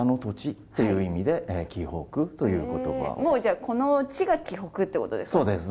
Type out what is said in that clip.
もうじゃあこの地が「驥北」ってことですか？